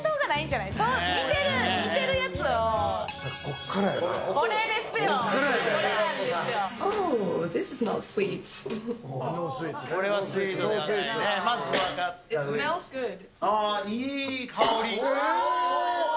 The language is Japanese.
いい香り。